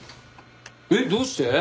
えっどうして？